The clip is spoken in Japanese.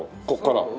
ここから。